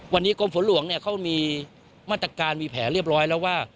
วันนี้กรมฝนหลวงเนี่ยเขามีมาตรการมีแผลเรียบร้อยแล้วว่า